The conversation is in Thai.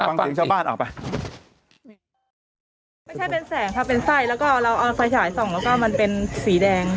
ฟังเสียงชาวบ้านออกไป